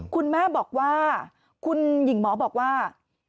คุณแม่บอกว่าคุณหญิงหมอบอกว่า